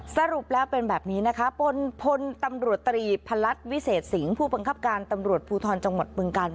สรุปแล้วเป็นแบบนี้นะคะพลตำรวจตรีพลัดวิเศษสิงห์ผู้บังคับการตำรวจภูทรจังหวัดบึงกาล